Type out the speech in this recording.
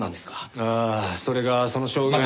ああそれがその証言。